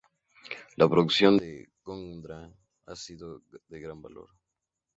La producción de Gondra ha sido de gran valor.